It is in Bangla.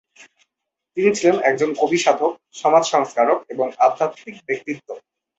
তিনি ছিলেন একজন কবি-সাধক, সমাজ সংস্কারক এবং আধ্যাত্মিক ব্যক্তিত্ব।